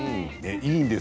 いいんです！